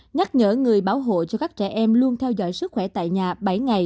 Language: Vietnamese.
nhắc nhở người bảo hộ cho các trẻ em luôn theo dõi sức khỏe tại nhà bảy ngày